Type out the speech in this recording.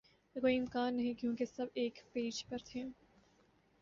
کا کوئی امکان نہیں کیونکہ سب ایک پیج پر ہیں